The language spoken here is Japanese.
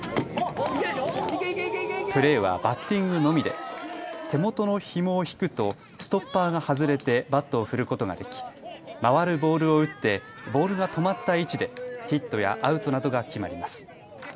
プレーはバッティングのみで、手元のひもを引くとストッパーが外れてバットを振ることができ、回るボールを打ってボールが止まった位置でヒットやアウトなどが決まります。